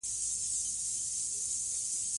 چي سلطان وو د عرب او عجمیانو